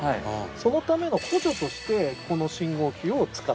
そのための補助としてこの信号機を使っている。